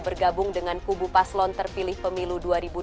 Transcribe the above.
bergabung dengan kubu paslon terpilih pemilu dua ribu dua puluh